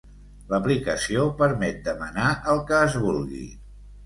L'aplicació permet demanar el que es vulgui.